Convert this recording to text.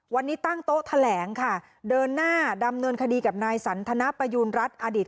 วันนี้ตั้งโต๊ะแถลงค่ะเดินหน้าดำเนินคดีกับนายสันทนประยูณรัฐอดีต